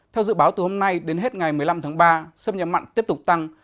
theo dự báo từ hôm nay đến hết ngày một mươi năm tháng ba xâm nhập mặn tiếp tục tăng